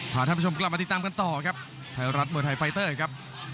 ท่านผู้ชมกลับมาติดตามกันต่อครับไทยรัฐมวยไทยไฟเตอร์ครับ